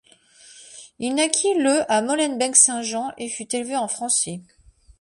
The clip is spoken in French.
Il naquit le à Molenbeek-Saint-Jean et fut élevé en français.